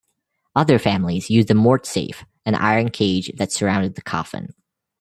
Other families used a mortsafe, an iron cage that surrounded the coffin.